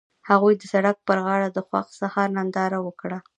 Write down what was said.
هغوی د سړک پر غاړه د خوښ سهار ننداره وکړه.